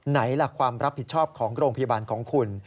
ไหนล่ะความรับผิดชอบของโรงพยาบาลของคุณ